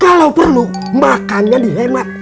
kalau perlu makannya dihemat